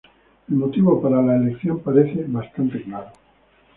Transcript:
El motivo para la elección parece bastante claro.